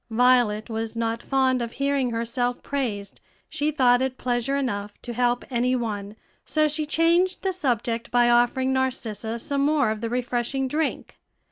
Violet was not fond of hearing herself praised; she thought it pleasure enough to help any one; so she changed the subject by offering Narcissa some more of the refreshing drink.